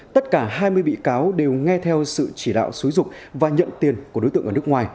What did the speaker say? tất cả hai mươi bị cáo đều nghe theo sự chỉ đạo xúi dục và nhận tiền của đối tượng ở nước ngoài